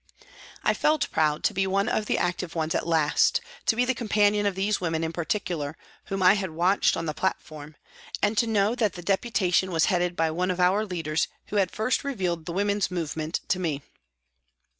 I felt proud to be one of the active ones at last, to be the companion of these women in particular, whom I had watched on the platform, and to know that the Deputation was headed by one of our leaders who had first revealed the woman's movement to me.